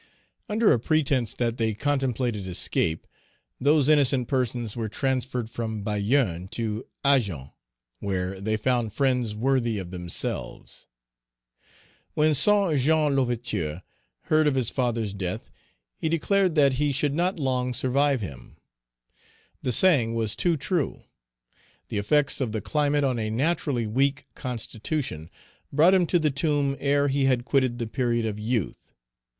Under a pretence that they contemplated escape, those innocent persons were transferred from Bayonne to Agen, where they found friends worthy of themselves. When Saint Jean L'Ouverture heard of his father's death, he declared that he should not long survive him. The saying was too true. The effects of the climate on a naturally weak constitution brought him to the tomb ere he had quitted the period of youth.